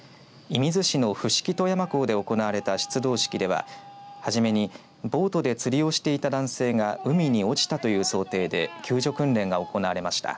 射水市の伏木富山港で行われた出動式では初めにボートで釣りをしていた男性が海に落ちたという想定で救助訓練が行われました。